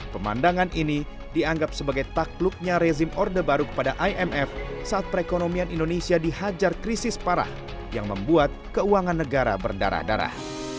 pemandangan ini dianggap sebagai takluknya rezim orde baru kepada imf saat perekonomian indonesia dihajar krisis parah yang membuat keuangan negara berdarah darah